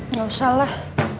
nggak usah lah